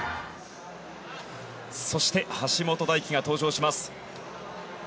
そして橋本大輝が登場します。